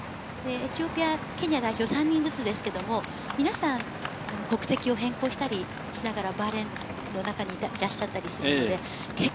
エチオピア、ケニア代表３人ずつですが、皆さん国籍を変更したりしながら、バーレーンなんかにもいらっしゃったりします。